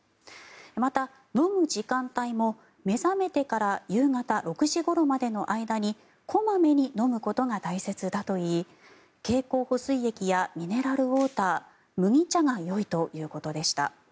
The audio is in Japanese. また、飲む時間帯も目覚めてから夕方６時ごろまでの間に小まめに飲むことが大切だといい経口補水液やミネラルウォーター麦茶がよいということでした。